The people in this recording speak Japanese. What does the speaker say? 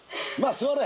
座れ。